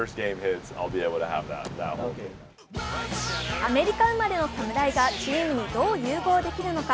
アメリカ生まれの侍がチームにどう融合できるのか。